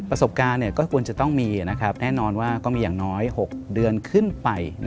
ประสบการณ์ก็ควรจะต้องมีแน่นอนว่าก็มีอย่างน้อย๖เดือนขึ้นไป